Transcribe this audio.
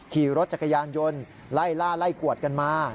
ขี่รถจักรยานยนต์ไล่ล่าไล่กวดกันมา